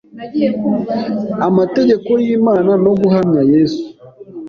amategeko y’Imana no guhamya Yesu,